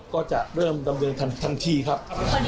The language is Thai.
ก็จะเริ่มดำเนินทันทีครับ